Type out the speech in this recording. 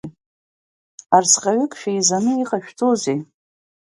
Арсҟаҩык шәеизаны иҟашәҵозеи?